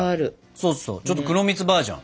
そうそうちょっと黒蜜バージョン。